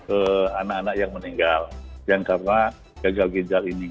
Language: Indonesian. ke anak anak yang meninggal yang karena gagal ginjal ini